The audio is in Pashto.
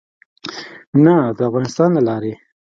نه د افغانستان له لارې.